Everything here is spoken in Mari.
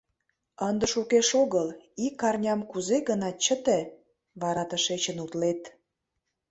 Ынде шукеш огыл — ик арням кузе-гынат чыте, вара тышечын утлет.